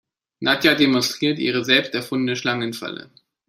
Nadja demonstriert ihre selbst erfundene Schlangenfalle.